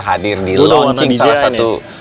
hadir di luar nama dj satu